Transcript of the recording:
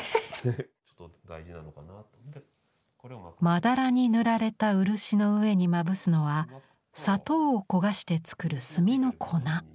まだらに塗られた漆の上にまぶすのは砂糖を焦がして作る炭の粉。